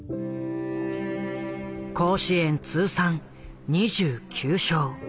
甲子園通算２９勝。